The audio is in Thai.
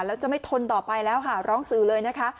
แล้วจะไม่ทนต่อไปแล้วค่ะร้องสื่อเลยนะคะ